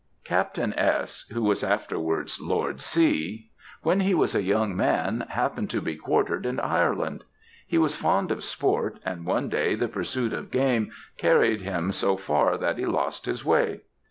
"Captain S., who was afterwards Lord C., when he was a young man, happened to be quartered in Ireland. He was fond of sport; and one day the pursuit of game carried him so far that he lost his way.